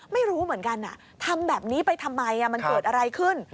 ไม่รู้เหมือนกันทำแบบนี้ไปทำไมมันเกิดอะไรขึ้น